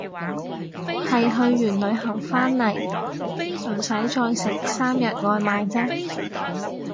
係去完旅行返嚟唔使再食三日外賣姐